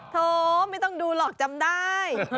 โถไม่ต้องดูหรอกจำได้